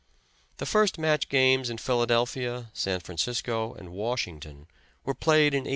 The first match games in Philadelphia, San Francisco and Washington were played in 1860.